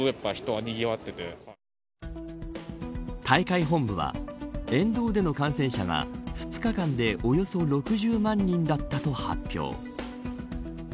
大会本部は沿道での観戦者が２日間でおよそ６０万人だったと発表。